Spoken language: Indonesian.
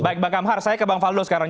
baik bang kamhar saya ke bang faldo sekarang